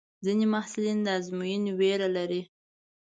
ځینې محصلین د ازموینې وېره لري.